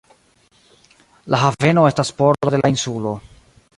La haveno estas pordo de la insulo.